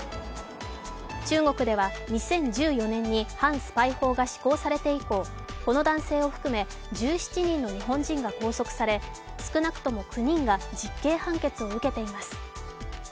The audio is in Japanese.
中国では２０１４年に反スパイ法が施行されて以降、この男性を含め１７人の日本人が拘束され少なくとも９人が実刑判決を受けています。